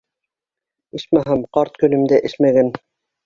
Исмаһам, ҡарт көнөмдә эсмәгән